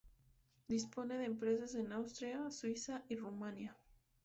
Dispone de empresas en Austria, Suiza y Rumanía.